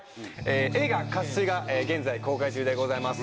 映画『渇水』が現在公開中でございます。